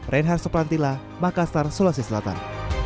reinhard suprantila makassar sulawesi selatan